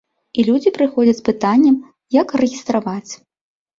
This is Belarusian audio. І людзі прыходзяць з пытаннем, як рэгістраваць.